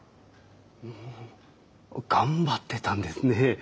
ほう頑張ってたんですね。